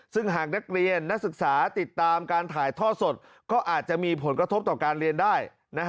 ซึ่งหากนักเรียนนักศึกษาติดตามการถ่ายทอดสดก็อาจจะมีผลกระทบต่อการเรียนได้